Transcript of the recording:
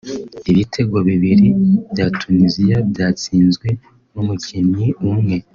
ibitego bibiri bya Tunisia byatsinzwe n’umukinnyi umwe